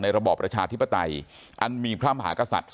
ระบอบประชาธิปไตยอันมีพระมหากษัตริย์